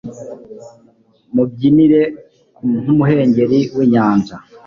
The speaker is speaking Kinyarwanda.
Mubyinire nkumuhengeri winyanja